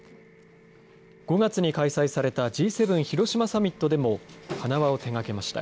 ５月に開催されたＧ７広島サミットでも花輪を手がけました。